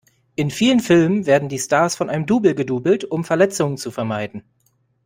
In vielen Filmen werden die Stars von einem Double gedoublet um Verletzungen zu vermeiden.